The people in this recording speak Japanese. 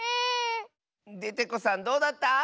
デテコさんどうだった？